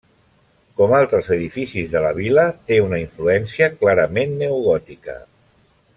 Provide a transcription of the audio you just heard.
Com altres edificis de la vila té una influència clarament neogòtica.